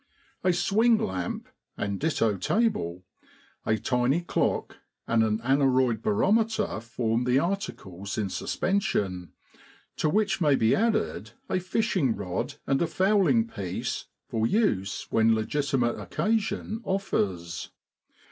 A swing lamp, and ditto table, a tiny clock, and an aneroid barometer form the arti cles in suspension, to which may be added a fishing rod and a fowling piece for use when legitimate occasion offers.